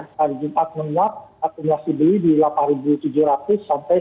hari jumat menyuap akumulasi beli di delapan tujuh ratus sampai sembilan